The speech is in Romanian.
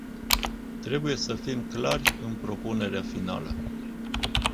Trebuie să fim clari în propunerea finală.